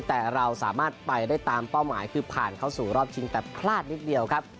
แต่เราสามารถไปได้ตามเป้าหมายคือผ่านเข้าสู่รอบชิงแต่พลาดนิดเดียวครับ